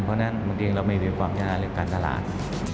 เพราะฉะนั้นมันจริงแล้วไม่มีความยาลัยการตลาด